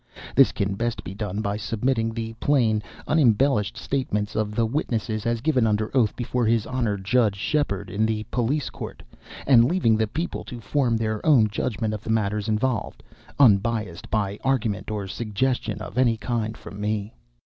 This can best be done by submitting the plain, unembellished statements of the witnesses as given under oath before his Honor Judge Sheperd, in the Police Court, and leaving the people to form their own judgment of the matters involved, unbiased by argument or suggestion of any kind from me.